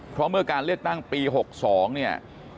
เพราะเมื่อการเลือกตั้งปี๖๒เนี่ย